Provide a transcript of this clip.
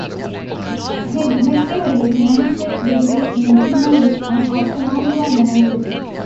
He received his Master's Degree in journalism at Columbia University.